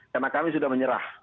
karena kami sudah menyerah